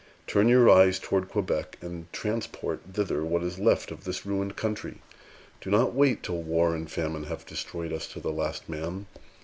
Turn your eyes towards Quebec, and transport thither what is left of this ruined country. Do not wait till war and famine have destroyed us to the last man.